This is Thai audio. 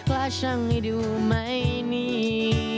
ว่าช่างให้ดูไหมนี่